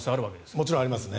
もちろんありますね。